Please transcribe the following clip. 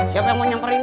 siapa yang mau nyamperin